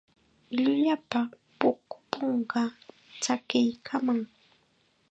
Llullupa pupunqa tsakiykannam.